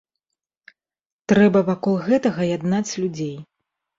Трэба вакол гэтага яднаць людзей.